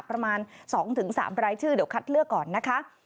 ประมาณ๒๓รายชื่อเดี๋ยวคัดเลือกก่อนนะคะ